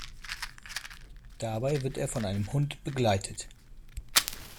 Dabei wird er von einem Hund begleitet.